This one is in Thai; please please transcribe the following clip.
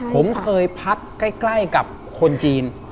ผมเคยพักใกล้กับคนจีน